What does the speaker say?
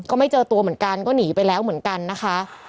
ก็ไม่เจอตัวเหมือนกันก็หนีไปแล้วเหมือนกันนะคะ